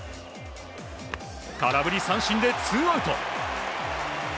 空振り三振でツーアウト。